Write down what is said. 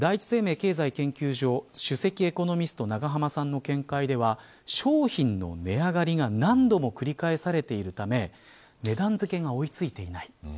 生命経済研究所首席エコノミスト永濱さんの見解では商品の値上がりが何度も繰り返されているため値段付けが追い付いていない。